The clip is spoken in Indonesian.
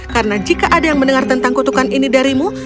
karena jika ada yang mendengar tentang kutukan ini darimu